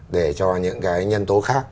để cho những cái nhân tố khác